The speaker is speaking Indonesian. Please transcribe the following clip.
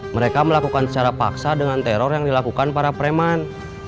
mereka melakukan secara paksa dengan teror yang dilakukan para preman